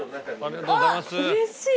あっうれしい！